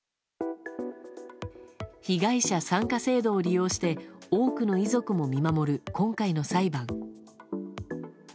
被害者参加制度を利用して多くの遺族も見守る今回の裁判。